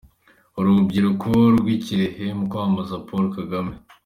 Urubyiruko rw'i Kirehe mu kwamamaza Paul Kagame.